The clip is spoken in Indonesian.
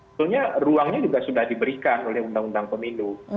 sebenarnya ruangnya juga sudah diberikan oleh undang undang pemilu